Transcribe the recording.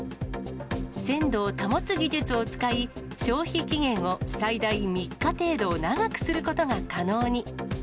鮮度を保つ技術を使い、消費期限を最大３日程度長くすることが可能に。